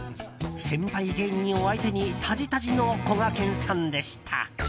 先輩芸人を相手にたじたじのこがけんさんでした。